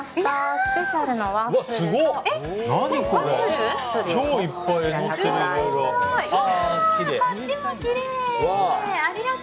スペシャルのワッフルと。